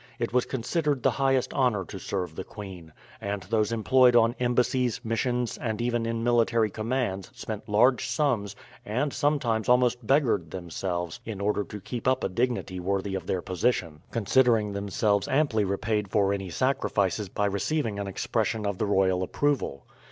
It was considered the highest honour to serve the queen; and those employed on embassies, missions, and even in military commands spent large sums, and sometimes almost beggared themselves in order to keep up a dignity worthy of their position, considering themselves amply repaid for any sacrifices by receiving an expression of the royal approval.